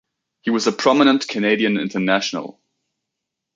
He was a prominent Canadian international.